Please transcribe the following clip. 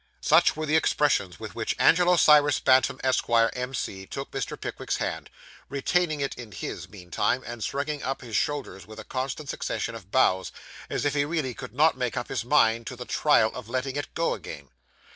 Such were the expressions with which Angelo Cyrus Bantam, Esquire, M.C., took Mr. Pickwick's hand; retaining it in his, meantime, and shrugging up his shoulders with a constant succession of bows, as if he really could not make up his mind to the trial of letting it go again.